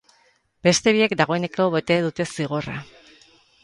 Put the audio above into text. Beste biek dagoeneko bete dute zigorra.